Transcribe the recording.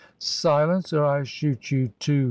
"Silence! or I shoot you too!"